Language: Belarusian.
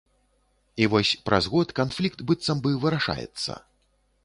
І вось праз год канфлікт быццам бы вырашаецца.